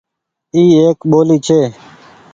اي ايڪ ٻلي ڇي۔